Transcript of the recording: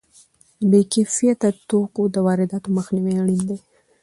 د بې کیفیته توکو د وارداتو مخنیوی اړین دی.